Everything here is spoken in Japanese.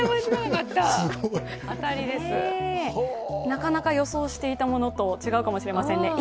なかなか予想していたものと違うかもしれませんね。